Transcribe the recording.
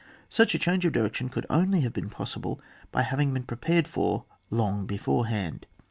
Such a change of direc tion could only have been possible by having been prepared for long before hand.